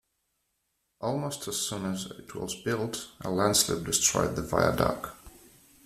Almost as soon as it was built a landslip destroyed the viaduct.